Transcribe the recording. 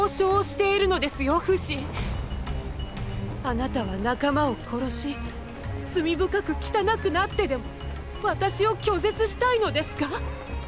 あなたは仲間を殺し罪深く汚くなってでも私を拒絶したいのですかッ